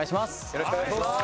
よろしくお願いします。